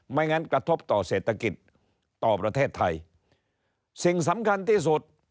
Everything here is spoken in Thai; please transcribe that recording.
ไม่งั้นกระทบต่อเศรษฐกิจต่อประเทศไทย